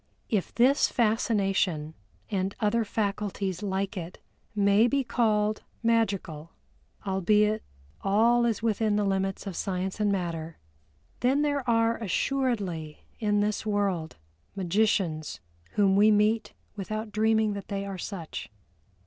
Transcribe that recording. If this fascination and other faculties like it may be called Magical (albeit all is within the limits of science and matter), then there are assuredly in this world magicians whom we meet without dreaming that they are such.